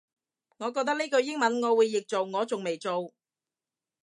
我覺得呢句英文我會譯做我仲未做